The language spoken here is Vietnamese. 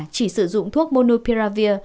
chỉ sử dụng thuốc monopiravir